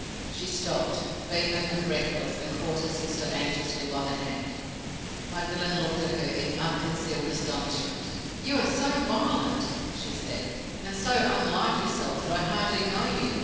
She stopped, vehement and breathless, and caught her sister anxiously by the hand. Magdalen looked at her in unconcealed astonishment. "You are so violent," she said, "and so unlike yourself, that I hardly know you.